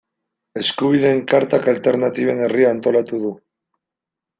Eskubideen Kartak Alternatiben Herria antolatu du.